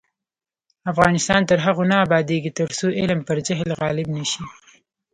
افغانستان تر هغو نه ابادیږي، ترڅو علم پر جهل غالب نشي.